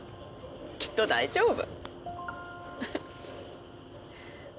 きっと大丈夫。